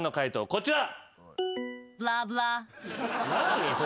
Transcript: こちら。